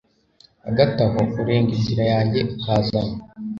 Hagati aho urenga inzira yanjye ukazana